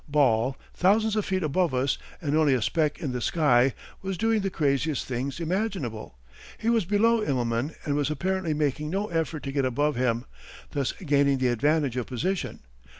Ball, thousands of feet above us and only a speck in the sky, was doing the craziest things imaginable. He was below Immelman and was apparently making no effort to get above him, thus gaining the advantage of position.